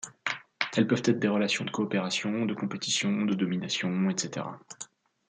Elles peuvent être des relations de coopération, de compétition, de domination, etc.